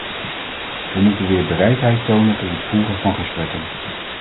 We moeten weer bereidheid tonen tot het voeren van gesprekken.